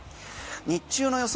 日中の予想